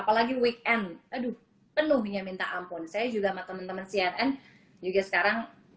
apalagi weekend aduh penuhnya minta ampun saya juga sama teman teman cnn juga sekarang